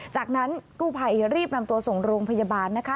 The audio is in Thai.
จากนั้นกู้ภัยรีบนำตัวส่งโรงพยาบาลนะคะ